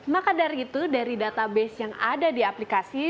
maka dari itu dari database yang ada di aplikasi